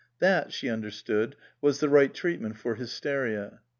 That, she understood, was the right treatment for hysteria.